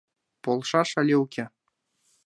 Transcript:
Полшаш але уке?